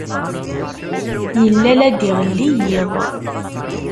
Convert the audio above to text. Yella la d-iɣelli yiḍ.